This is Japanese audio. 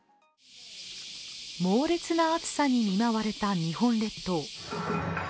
猛烈な暑さに見舞われた日本列島。